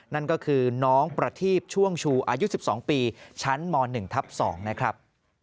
นั่นก็คือน้องประทีบช่วงชูอายุ๑๒ปีชั้นม๑ทับ๒นะครับ